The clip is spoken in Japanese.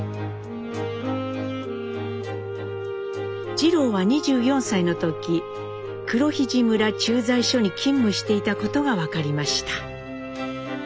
次郎は２４歳の時黒肥地村駐在所に勤務していたことが分かりました。